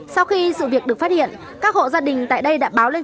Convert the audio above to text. sau khi sự việc được phát hiện các hộ gia đình tại đây đã báo lên